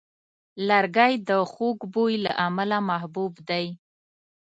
لرګی د خوږ بوی له امله محبوب دی.